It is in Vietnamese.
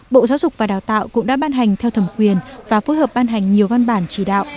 bộ giáo dục và đào tạo cũng đã ban hành theo thẩm quyền và phối hợp ban hành nhiều văn bản chỉ đạo